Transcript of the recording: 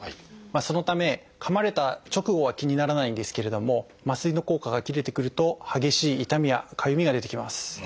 そのためかまれた直後は気にならないんですけれども麻酔の効果が切れてくると激しい痛みやかゆみが出てきます。